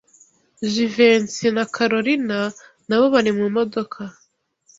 Jivency na Kalorina nabo bari mumodoka.